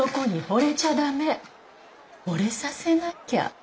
ほれさせなきゃ。